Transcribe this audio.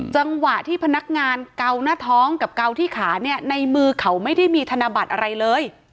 จังหวะที่พนักงานเกาหน้าท้องกับเกาที่ขาเนี่ยในมือเขาไม่ได้มีธนบัตรอะไรเลย